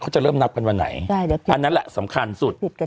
จะเริ่มนับกันวันไหนอันนั้นแหละสำคัญสุด